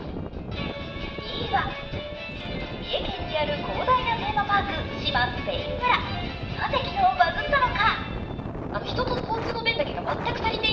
２位は、三重県にある広大なテーマパーク、志摩スペイン村なぜ、昨日バズったのか。